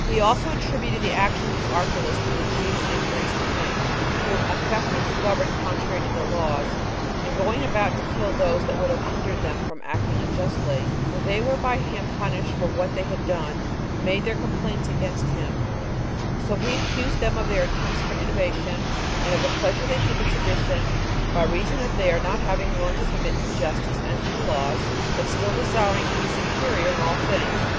He also attributed the actions of Archlaus to the Jews' injuries to him, who, affecting to govern contrary to the laws, and going about to kill those that would have hindered them from acting unjustly, when they were by him punished for what they had done, made their complaints against him; so he accused them of their attempts for innovation, and of the pleasure they took in sedition, by reason of their not having learned to submit to justice and to the laws, but still desiring to be superior in all things.